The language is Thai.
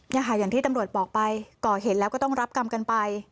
อย่างที่ตำรวจบอกไปก่อเหตุแล้วก็ต้องรับกรรมกันไป